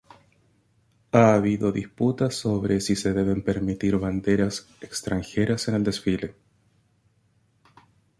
Ha habido disputa sobre si se deben permitir banderas extranjeras en el desfile.